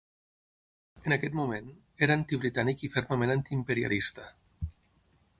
En aquest moment, era antibritànic i fermament antiimperialista.